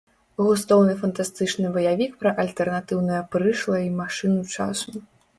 Густоўны фантастычны баявік пра альтэрнатыўнае прышлае й машыну часу.